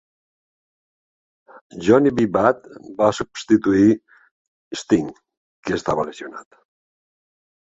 Johnny B. Badd va substituir Sting, que estava lesionat.